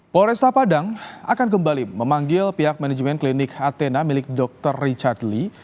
polresta padang akan kembali memanggil pihak manajemen klinik athena milik dr richard lee